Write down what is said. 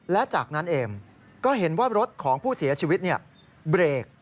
และจากนั้นเองก็เห็นว่ารถของผู้เสียชีวิตเบรก